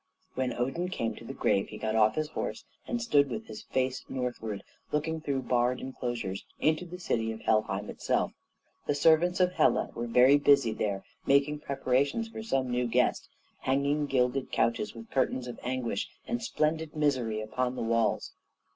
When Odin came to the grave he got off his horse, and stood with his face northward, looking through barred enclosures into the city of Helheim itself. The servants of Hela were very busy there making preparations for some new guest hanging gilded couches with curtains of anguish and splendid misery upon the walls.